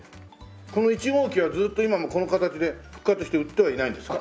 この１号機はずっと今もこの形で復活して売ってはいないんですか？